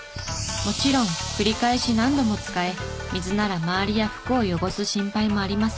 もちろん繰り返し何度も使え水なら周りや服を汚す心配もありません。